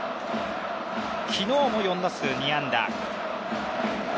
昨日も４打数２安打。